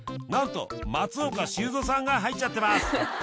なんと松岡修造さんが入っちゃってます